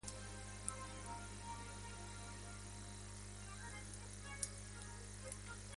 De acuerdo con la versión imperial, "Amidala" murió a manos de los Jedi.